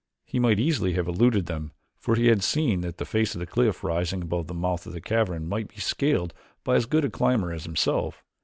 He might easily have eluded them, for he had seen that the face of the cliff rising above the mouth of the cavern might be scaled by as good a climber as himself.